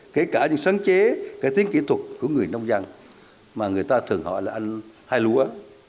kể cả những sáng chế cải tiến kỹ thuật của người nông dân mà người ta thường gọi là anh hay lúa